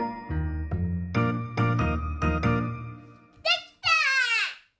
できた！